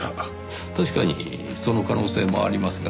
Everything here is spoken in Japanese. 確かにその可能性もありますが。